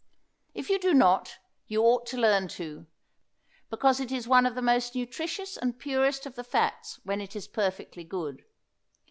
If you do not, you ought to learn to, because it is one of the most nutritious and purest of the fats when it is perfectly good.